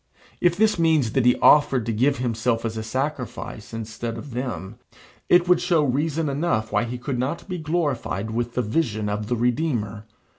If this means that he offered to give himself as a sacrifice instead of them, it would show reason enough why he could not be glorified with the vision of the Redeemer.